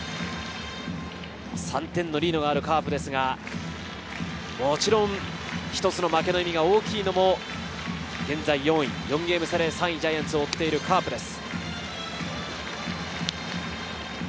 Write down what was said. ３点のリードがあるカープですが、もちろん一つの負けの意味が大きいのも現在４位、４ゲーム差で３位のジャイアンツを追っているカープです。